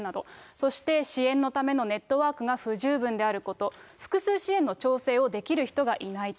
そして支援のためのネットワークが不十分であること、複数支援の調整をできる人がいないと。